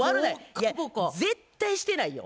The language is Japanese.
いや絶対してないよ。